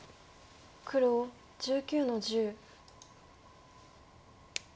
黒１９の十。